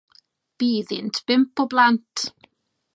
Bu iddynt bump o blant.